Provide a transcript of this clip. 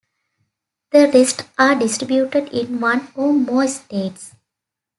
The rest are distributed in one or more states.